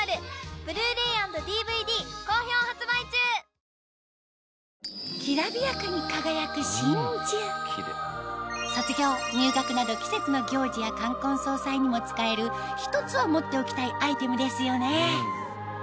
新「ＥＬＩＸＩＲ」きらびやかに輝く真珠卒業入学など季節の行事や冠婚葬祭にも使える１つは持っておきたいアイテムですよね